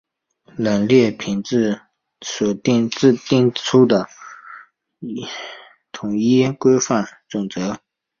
冷链品质指标所订定的统一规范准则。